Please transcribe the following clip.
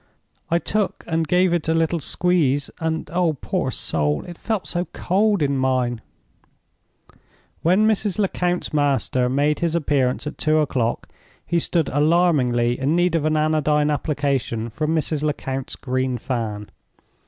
I took and gave it a little squeeze—and, oh poor soul, it felt so cold in mine!" When Mrs. Lecount's master made his appearance at two o'clock, he stood alarmingly in need of an anodyne application from Mrs. Lecount's green fan.